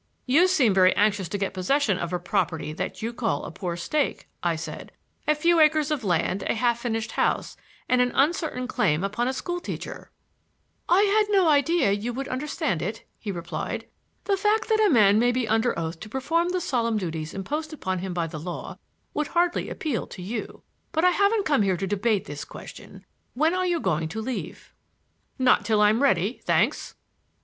"You seem very anxious to get possession of a property that you call a poor stake," I said. "A few acres of land, a half finished house and an uncertain claim upon a school teacher!" "I had no idea you would understand it," he replied. "The fact that a man may be under oath to perform the solemn duties imposed upon him by the law would hardly appeal to you. But I haven't come here to debate this question. When are you going to leave?" "Not till I'm ready,—thanks!"